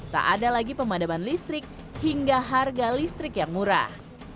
tak ada lagi pemadaman listrik hingga harga listrik yang murah